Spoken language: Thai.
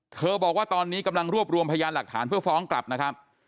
บอกว่าตอนนี้กำลังรวบรวมพยานหลักฐานเพื่อฟ้องกลับนะครับ